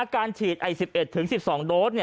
การฉีด๑๑๑๑๒โดส